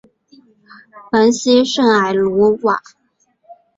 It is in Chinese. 蒙希圣埃卢瓦。